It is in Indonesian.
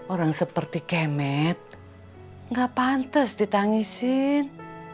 orang seperti kemet nggak pantas ditangisin